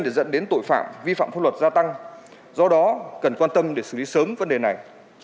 để dẫn đến tội phạm vi phạm pháp luật gia tăng do đó cần quan tâm để xử lý sớm vấn đề này